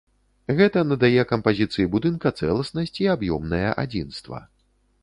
Гэта надае кампазіцыі будынка цэласнасць і аб'ёмнае адзінства.